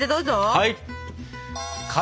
はい！